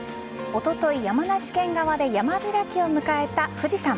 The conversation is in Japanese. おととい、山梨県側で山開きを迎えた富士山。